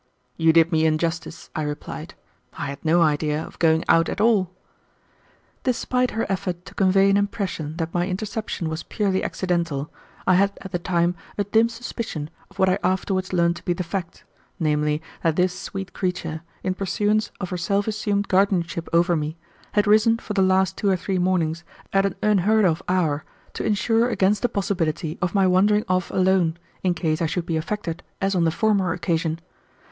"You did me injustice," I replied. "I had no idea of going out at all." Despite her effort to convey an impression that my interception was purely accidental, I had at the time a dim suspicion of what I afterwards learned to be the fact, namely, that this sweet creature, in pursuance of her self assumed guardianship over me, had risen for the last two or three mornings at an unheard of hour, to insure against the possibility of my wandering off alone in case I should be affected as on the former occasion.